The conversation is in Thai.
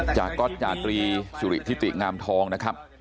จากก๊อตจาตรีสุริธิติงามทองนะครับ